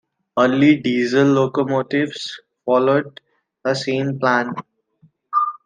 Early diesel locomotives followed the same plan.